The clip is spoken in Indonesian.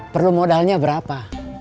perlu modalnya berapa